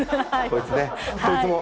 こいつも。